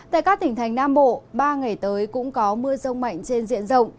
tại các tỉnh thành nam bộ ba ngày tới cũng có mưa rông mạnh trên diện rộng